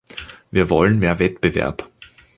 Wir wollen mehr Wettbewerb!